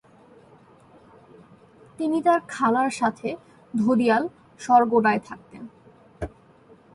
তিনি তার খালার সাথে ধোদিয়াল, সরগোডায় থাকতেন।